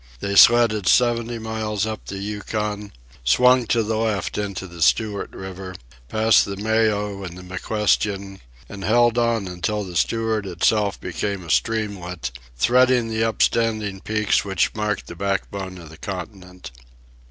They sledded seventy miles up the Yukon, swung to the left into the Stewart River, passed the Mayo and the McQuestion, and held on until the Stewart itself became a streamlet, threading the upstanding peaks which marked the backbone of the continent.